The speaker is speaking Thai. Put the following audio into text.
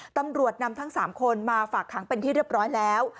ตำรวจนำทั้ง๓คนมาฝากขังเป็นที่เรียบร้อยแล้ว